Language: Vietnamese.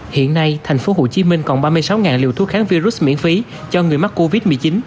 hiện nay tp hcm còn ba mươi sáu liều thuốc kháng virus miễn phí cho người mắc covid một mươi chín